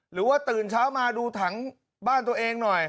หรือว่าตื่นเช้ามาดูถังบ้านตัวเองหน่อย